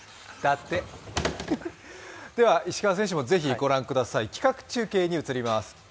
では、石川選手もぜひ御覧ください企画中継に移ります。